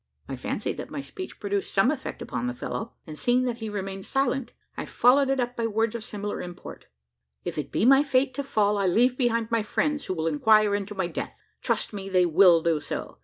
I fancied that my speech produced some effect upon the fellow; and, seeing that he remained silent, I followed up it by words of similar import: "If it be my fate to fall, I leave behind me friends who will inquire into my death. Trust me, they will do so!